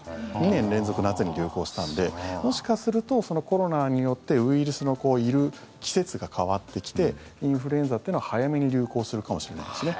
２年連続、夏に流行したのでもしかすると、コロナによってウイルスのいる季節が変わってきてインフルエンザというのは早めに流行するかもしれないですね。